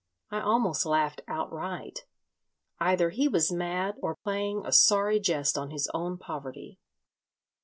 I almost laughed outright. Either he was mad or playing a sorry jest on his own poverty.